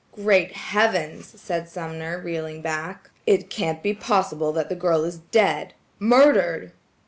"Great heavens!" said Sumner reeling back, "it can't be possible that the girl is dead–murdered!"